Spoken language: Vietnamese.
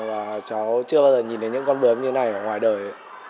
và cháu chưa bao giờ nhìn đến những con bướm như này ở ngoài đời